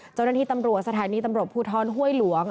เจ้าหน้าที่ตำรวจสถานีตำรวจภูทรห้วยหลวง